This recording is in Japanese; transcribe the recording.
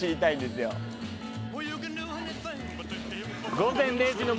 「午前０時の森」